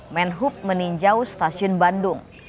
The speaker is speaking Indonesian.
menhub meninjau stasiun bandung